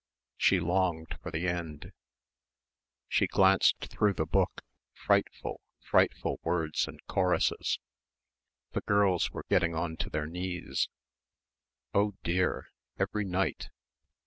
She longed for the end. She glanced through the book frightful, frightful words and choruses. The girls were getting on to their knees. Oh dear, every night.